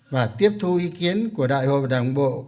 và tiếp thu ý kiến của đại hội và đảng quốc